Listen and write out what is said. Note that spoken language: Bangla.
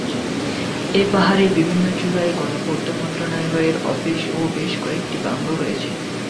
এ পাহাড়ের বিভিন্ন চূড়ায় গণপূর্ত মন্ত্রণালয়ের অফিস ও বেশ কয়েকটি বাংলো রয়েছে।